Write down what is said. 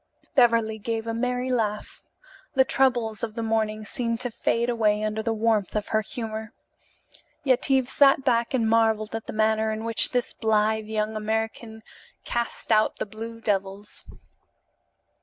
Beverly gave a merry laugh. The troubles of the morning seemed to fade away under the warmth of her humor. Yetive sat back and marvelled at the manner in which this blithe young American cast out the "blue devils."